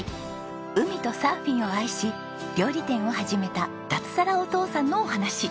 海とサーフィンを愛し料理店を始めた脱サラお父さんのお話。